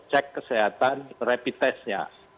cek kesehatan rapid test nya